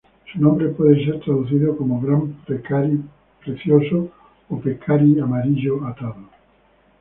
Su nombre puede ser traducido como "Gran Pecarí Precioso" o "Pecarí Amarillo Atado".